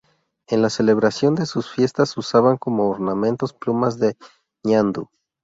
En la celebración de sus fiestas usaban como ornamentos plumas de ñandú.